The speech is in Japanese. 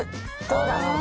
どうだ？